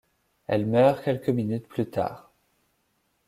Elle meurt quelques minutes plus tard.